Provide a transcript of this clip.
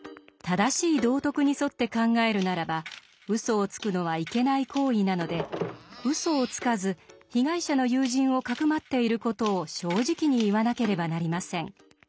正しい道徳に沿って考えるならばうそをつくのはいけない行為なのでうそをつかず被害者の友人をかくまっている事を正直に言わなければなりません。